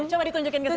coba ditunjukin kesini